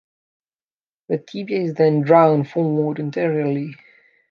The tibia is then drawn forward anteriorly.